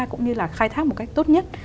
cũng như là khai thác một cách tốt nhất